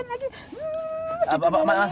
ini ini ini adalah satu salah satu